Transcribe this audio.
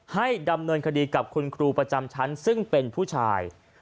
ให้ดำเนินคดีกับคุณครูประจำชั้นซึ่งเป็นผู้ชาย